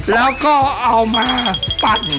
แล้วก็เอามาปั่น